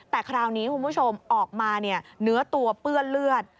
แต่คราวนี้คุณผู้ชมออกมาเนื้อตัวเปื้อนเลือด